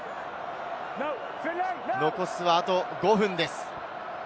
残すはあと５分です。